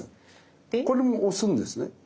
これも押すんですね？